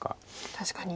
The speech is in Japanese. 確かに。